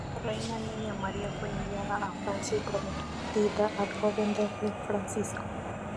La reina niña María fue enviada a Francia y prometida al joven Delfín Francisco.